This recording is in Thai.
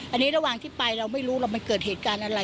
อันนี้ระหว่างที่ไปเราไม่รู้หรอกมันเกิดเหตุการณ์อะไร